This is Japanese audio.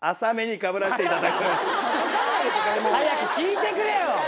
早く聞いてくれよ！